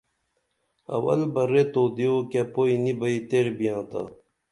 اول بہ ریت او دیو کیہ پوئی نی بئی تیر بِیاں تا